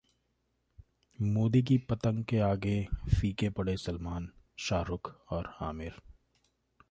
मोदी की पतंग के आगे फीके पड़े सलमान, शाहरुख और आमिर